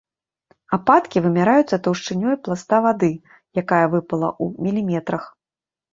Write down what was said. Ападкі вымяраюцца таўшчынёй пласта вады, якая выпала, у міліметрах.